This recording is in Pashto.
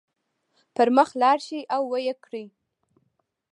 پر مخ لاړ شئ او ويې کړئ.